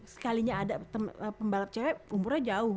sekalinya ada pembalap cewek umurnya jauh